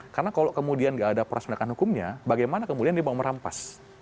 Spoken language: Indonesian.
karena kalau kemudian nggak ada proses pendekatan hukumnya bagaimana kemudian dia mau merampas